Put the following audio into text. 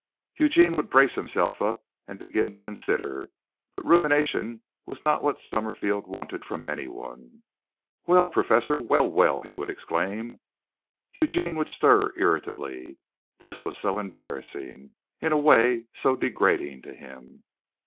Eugene would brace himself up and begin to consider, but rumination was not what Summerfield wanted from anyone. "Well, professor! well! well!" he would exclaim. Eugene would stir irritably. This was so embarrassing in a way so degrading to him.